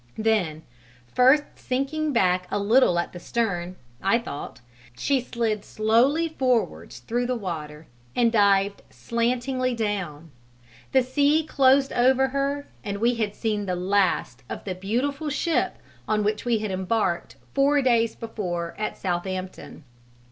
Then, first sinking back a little at the stern, I thought, she slid slowly forwards through the water and dived slantingly down; the sea closed over her and we had seen the last of the beautiful ship on which we had embarked four days before at Southampton.